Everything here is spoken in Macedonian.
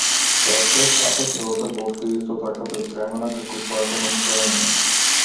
Порачуваш кафе, првата голтка е исто така безвремена, како и твоето настроение.